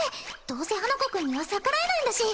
どうせ花子くんには逆らえないんだし